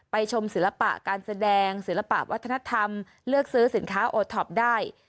ชมศิลปะการแสดงศิลปะวัฒนธรรมเลือกซื้อสินค้าโอท็อปได้